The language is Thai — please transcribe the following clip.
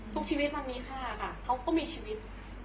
ทุกชีวิตมันมีค่าค่ะเขาก็มีชีวิต